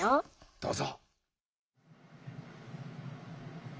どうぞ。